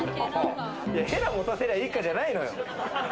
へらを持たせればいいかじゃないのよ。